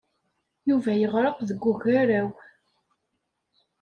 Yuba yeɣreq deg ugaraw.